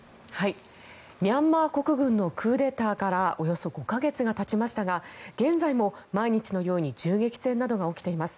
ミャンマー国軍のクーデターからおよそ５か月がたちましたが現在も毎日のように銃撃戦などが起きています。